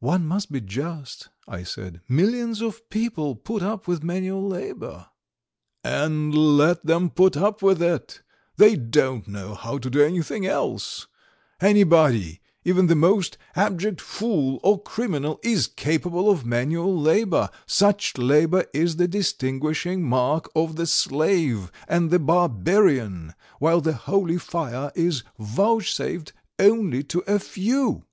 "One must be just," I said. "Millions of people put up with manual labour." "And let them put up with it! They don't know how to do anything else! Anybody, even the most abject fool or criminal, is capable of manual labour; such labour is the distinguishing mark of the slave and the barbarian, while the holy fire is vouchsafed only to a few!"